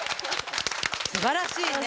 素晴らしいね！